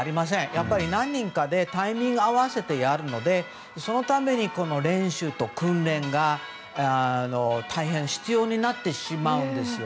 やっぱり何人かでタイミングを合わせてやるのでそのために、練習と訓練が大変必要になってしまうんです。